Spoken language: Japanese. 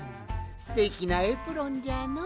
すてきなエプロンじゃのう。